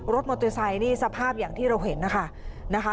รถมอเตอร์ไซค์นี่สภาพอย่างที่เราเห็นนะคะ